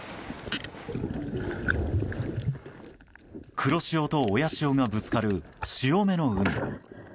黒潮と親潮がぶつかる潮目の海。